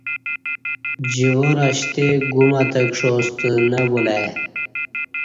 جوار اشتے گُم اتکݜا ستہ نہ بُلہ ای